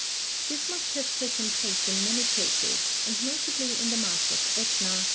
This must have taken place in many cases, and notably in the mass of Etna, (fig.